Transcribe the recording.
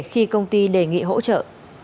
khi công ty đề nghị hỗ trợ